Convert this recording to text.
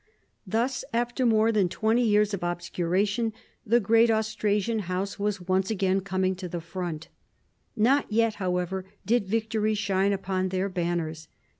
Thus after more than twenty years of obscuration the great Austrasian house was once again coming to the front. Not yet, however, did victory shine upon their banners.